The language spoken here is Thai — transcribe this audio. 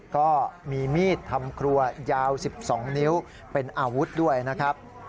ก็มีมีดทำครัวยาว๑๒นิ้วเป็นอาวุธด้วยนะครับ